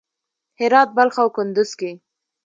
هرات، بلخ او کندز کې